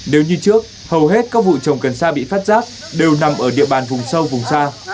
nếu như trước hầu hết các vụ trồng cần xa bị phát giáp đều nằm ở địa bàn vùng sâu vùng xa